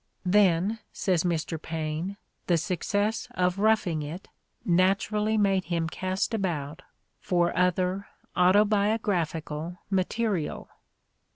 Then, says Mr. Paine, "the success of 'Eoughing It' naturally made him cast about for other autobiographical material."